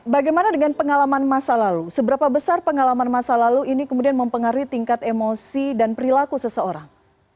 bagaimana dengan pengalaman masa lalu seberapa besar pengalaman masa lalu ini kemudian mempengaruhi tingkat emosi dan perilaku seseorang